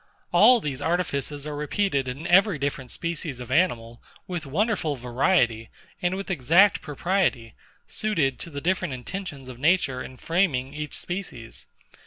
All these artifices are repeated in every different species of animal, with wonderful variety, and with exact propriety, suited to the different intentions of Nature in framing each species.